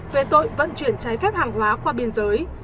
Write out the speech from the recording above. về tội vận chuyển trái phép hàng hóa qua biên giới